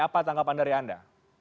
itu yang dari anda